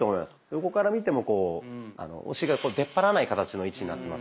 横から見てもこうお尻が出っ張らない形の位置になってますので。